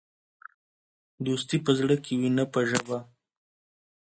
دوستي په زړه کې وي، نه په ژبه.